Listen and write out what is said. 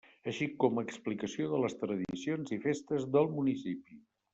Així com explicació de les tradicions i festes del municipi.